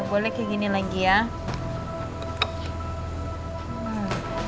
gak boleh kayak gini lagi man